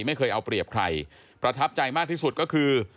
ไม่เคยเอาเปรียบใครประทับใจมากที่สุดก็คือ